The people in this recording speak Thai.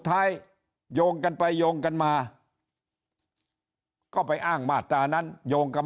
ท้ายโยงกันไปโยงกันมาก็ไปอ้างมาตรานั้นโยงกับ